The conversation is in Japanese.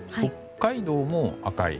北海道も赤い。